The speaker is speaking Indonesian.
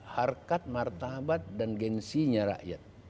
harkat martabat dan gengsinya rakyat